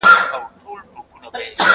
ستا د عقل ستا د فکر برکت دی